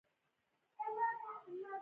ننګرهار دوه ویشت ولسوالۍ لري.